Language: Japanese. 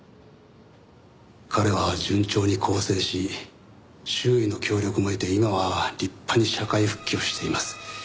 彼は順調に更生し周囲の協力も得て今は立派に社会復帰をしています。